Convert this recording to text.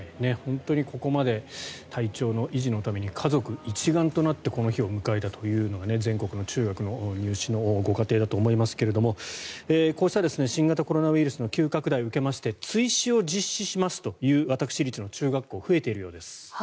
本当にここまで体調の維持のために家族一丸となってこの日を迎えたというのが全国の中学の入試のご家庭だと思いますがこうした新型コロナウイルスの急拡大を受けまして追試を実施しますという私立の中学校が増えているようです。